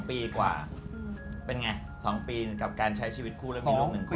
ปีกว่าเป็นไง๒ปีกับการใช้ชีวิตคู่แล้วมีลูก๑คน